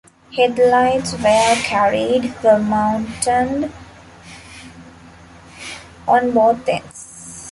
Headlights, where carried, were mounted on both ends.